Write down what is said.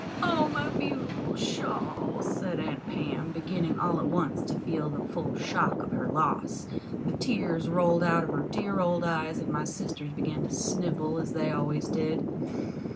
"Oh, my beautiful shawl!" said Aunt Pam, beginning all at once to feel the full shock of her loss. The tears rolled out of her dear old eyes, and my sisters began to snivel, as they always did.